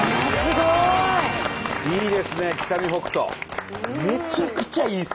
いいですね北見北斗。